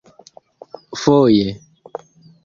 foje